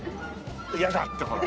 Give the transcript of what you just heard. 嫌だってほら。